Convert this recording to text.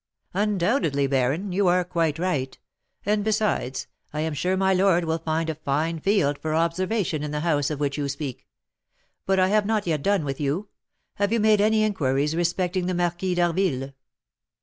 "Undoubtedly, baron; you are quite right; and, besides, I am sure my lord will find a fine field for observation in the house of which you speak. But I have not yet done with you. Have you made any inquiries respecting the Marquis d'Harville?"